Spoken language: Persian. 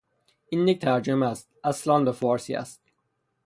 این یک ترجمه است; اصل آن به فارسی است.